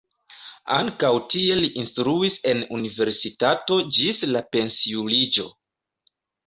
Ankaŭ tie li instruis en universitato ĝis la pensiuliĝo.